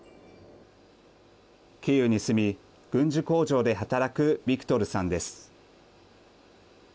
キーウに住み、軍需工場で働くビクトルさんです。